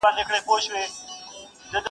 لاره ورکه سوه د کلي له وګړو.!